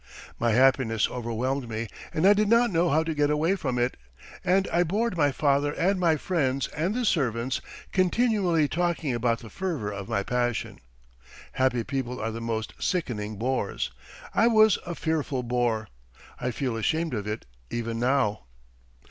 My happiness overwhelmed me and I did not know how to get away from it, and I bored my father and my friends and the servants, continually talking about the fervour of my passion. Happy people are the most sickening bores. I was a fearful bore; I feel ashamed of it even now.